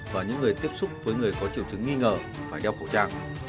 và những người tiếp xúc với người có triệu chứng nghi ngờ phải đeo khẩu trang